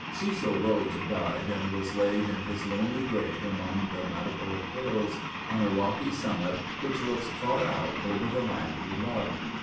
Cecil Rhodes died, and was laid in his lonely grave among the Matopo Hills, on a rocky summit which looks far out over the land he loved.